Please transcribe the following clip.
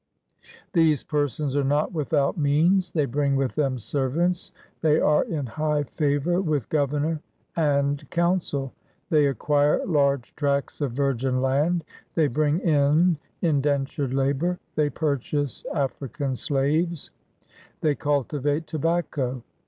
These persons are not without means; they bring with them servants; they are in high favor with Governor and Council; they acquire large tracts of virgin land; they bring in indentured labor; they purchase African slaves; they cultivate tobacco.